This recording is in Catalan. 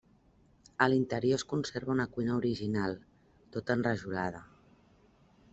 A l'interior es conserva una cuina original, tota enrajolada.